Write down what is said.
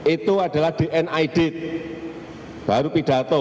itu adalah dnid baru pidato